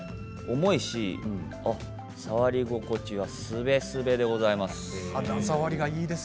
重いし、触り心地がすべすべでございます。